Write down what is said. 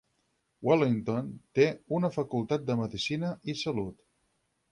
Wellington té una facultat de medicina i salut.